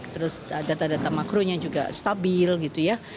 terus data data makronya juga stabil gitu ya